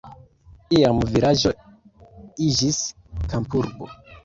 Iam la vilaĝo iĝis kampurbo.